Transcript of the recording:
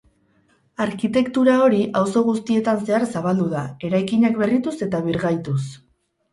Arkitektura hori auzo guztietan zehar zabaldu da eraikinak berrituz eta birgaituz.